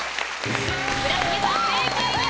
村重さん正解です！